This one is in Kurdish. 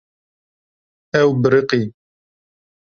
Ew biriqî.